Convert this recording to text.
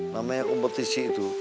namanya kompetisi itu